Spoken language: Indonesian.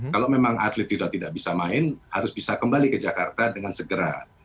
kalau memang atlet sudah tidak bisa main harus bisa kembali ke jakarta dengan segera